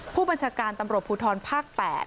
ผู้บัญชาการตำรวจภูทรภาค๘